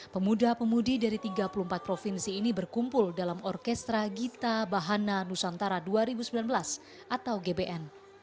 pemuda pemudi dari tiga puluh empat provinsi ini berkumpul dalam orkestra gita bahana nusantara dua ribu sembilan belas atau gbn